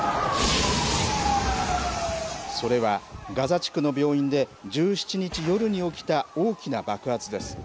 それは、ガザ地区の病院で１７日夜に起きた大きな爆発です。